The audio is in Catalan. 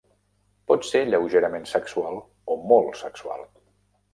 Pot ser lleugerament sexual o molt sexual.